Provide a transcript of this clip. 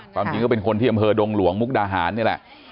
ความจริงก็เป็นคนที่อำเภอดงหลวงมุกดาหารนี่แหละ